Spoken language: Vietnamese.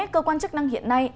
cơ quan chức năng hiện nay